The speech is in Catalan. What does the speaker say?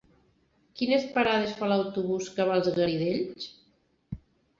Quines parades fa l'autobús que va als Garidells?